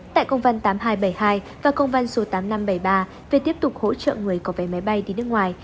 tại công văn tám nghìn hai trăm bảy mươi hai và công văn số tám nghìn năm trăm bảy mươi ba về tiếp tục hỗ trợ người có vé máy bay đi nước ngoài